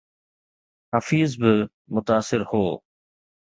حفيظ به متاثر هو